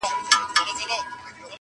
یوه سوی وه راوتلې له خپل غاره-